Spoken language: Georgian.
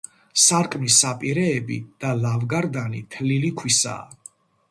სარკმლის საპირეები და ლავგარდანი თლილი ქვისაა.